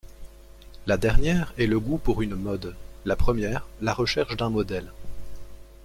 La dernière est le goût pour une mode, la première la recherche d'un modèle.